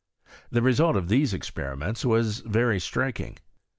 The result of these experiments was very striking